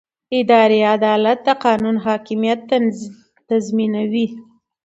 اداري عدالت د قانون حاکمیت تضمینوي.